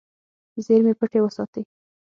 زیرمې پټې وساتې.